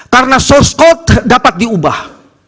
karena source code dapat diubah